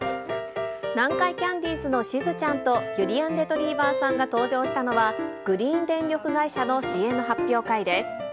南海キャンディーズのしずちゃんと、ゆりやんレトリィバァさんが登場したのは、グリーン電力会社のＣＭ発表会です。